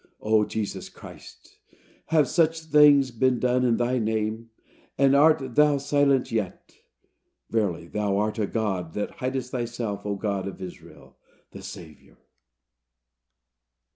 O Jesus Christ! have such things been done in thy name, and art thou silent yet? Verily, thou art a God that hidest thyself, O God of Israel, the Saviour!